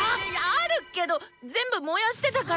あるけどっ全部燃やしてたから！